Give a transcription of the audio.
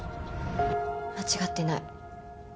間違ってない。